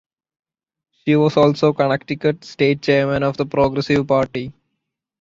He was also Connecticut state chairman of the Progressive Party.